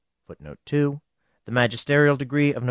] [Footnote 2: The magisterial decree of Nov.